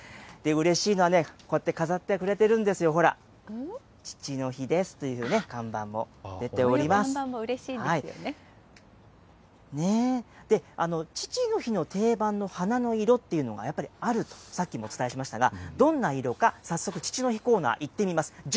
うれしいのはね、こうやって飾ってくれてるんですよ、ほら、父のこういう看板もうれしいんでねぇ、父の日の定番の花の色というのがやっぱりあると、さっきもお伝えしましたが、どんな色か、早速父の日コーナー、行ってみます。